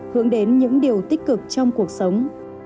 hướng đến những điều tích cực trong cuộc sống